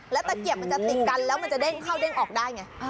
แล้วตะเกียบมันจะติดกันแล้วมันจะเด้งเข้าเด้งออกได้ไง